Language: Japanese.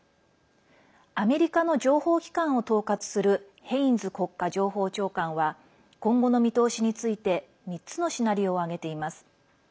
アメリカの情報機関を統轄するヘインズ国家情報長官は今後の見通しについて３つのシナリオを挙げています。